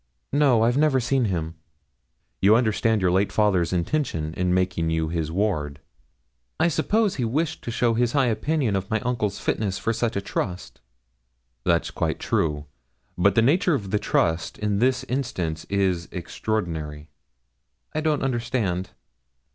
'No, I've never seen him.' 'You understand your late father's intention in making you his ward?' 'I suppose he wished to show his high opinion of my uncle's fitness for such a trust.' 'That's quite true; but the nature of the trust in this instance is extraordinary.' 'I don't understand.'